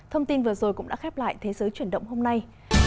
thông tin vừa rồi cũng đã khép lại thế giới chuyển động hôm nay